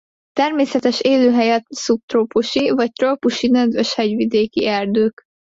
Természetes élőhelye a szubtrópusi vagy trópusi nedves hegyvidéki erdők.